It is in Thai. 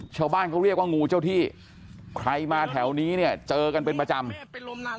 ชาวบ้านเขาเรียกว่างูเจ้าที่ใครมาแถวนี้เนี่ยเจอกันเป็นประจำ